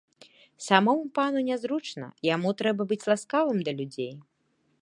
Самому пану нязручна, яму трэба быць ласкавым да людзей.